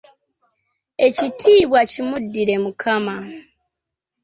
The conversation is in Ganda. Ekitiibwa kimuddire Mukama!